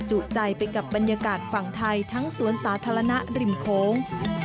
จุใจไปกับบรรยากาศฝั่งไทยทั้งสวนสาธารณะริมโค้ง